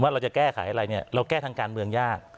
เราจะแก้ไขอะไรเนี่ยเราแก้ทางการเมืองยาก